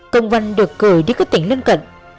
công an được gửi đi các tỉnh lăn cận